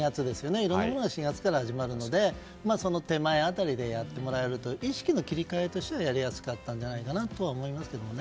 いろんなものが４月から始まるのでその手前辺りでやってもらえると意識の切り替えとしてはやりやすかったんじゃないかとは思いますけどね。